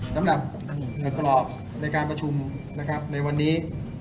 สำหรับเงินกรอบในการประชุมในวันนี้